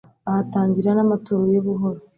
bahatangira n'amaturo y'ubuhoro